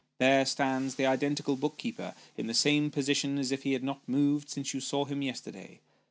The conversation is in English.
There stands the identical book keeper in the same position as if he had not moved since you saw him yesterday.